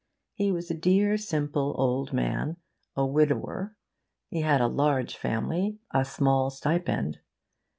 He was a dear, simple old man, a widower. He had a large family, a small stipend.